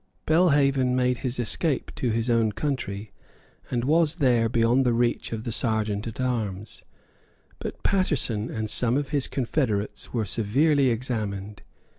Belhaven made his escape to his own country, and was there beyond the reach of the Serjeant at Arms. But Paterson and some of his confederates were severely examined.